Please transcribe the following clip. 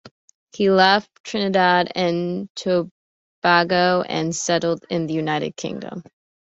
He left Trinidad and Tobago and settled in the United Kingdom.